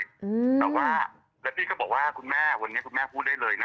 แต่ว่าแล้วพี่ก็บอกว่าคุณแม่วันนี้คุณแม่พูดได้เลยนะ